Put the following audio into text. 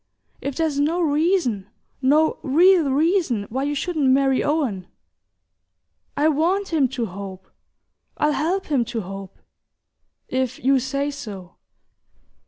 If there's no reason, no real reason, why you shouldn't marry Owen, I WANT him to hope, I'll help him to hope ... if you say so...."